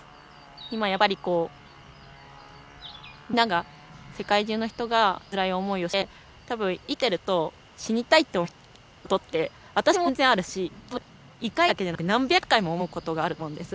今やっぱりこうみんなが世界中の人がつらい思いをして多分生きてると死にたいと思うことって私も全然あるし多分一回だけじゃなくて何百回も思うことがあると思うんです。